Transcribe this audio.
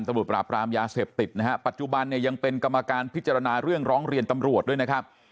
ตำรวจปราบรามยาเสพติดนะฮะปัจจุบันเนี่ยยังเป็นกรรมการพิจารณาเรื่องร้องเรียนตำรวจด้วยนะครับ